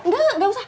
enggak enggak usah